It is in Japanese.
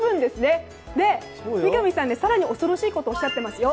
で、三上さんが更に恐ろしいことをおっしゃっていますよ。